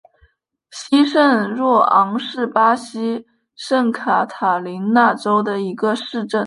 西圣若昂是巴西圣卡塔琳娜州的一个市镇。